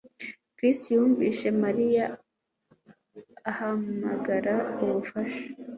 Chris yumvise Mariya ahamagara ubufasha